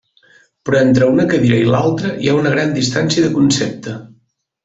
Però entre una cadira i l'altra, hi ha una gran distància de concepte.